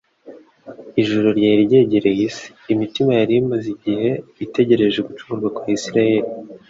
Ijuru ryari ryegereye isi. Imitima yari imaze igihe itegereje gucurugurwa kwa Isirayeli,